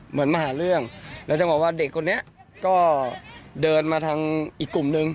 เหมือนมาหาเรื่องแล้วจังหวะว่าเด็กคนนี้ก็เดินมาทางอีกกลุ่มนึง